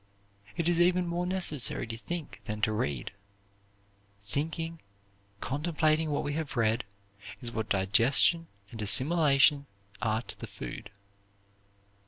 It is even more necessary to think than to read. Thinking, contemplating what we have read, is what digestion and assimilation are to the food.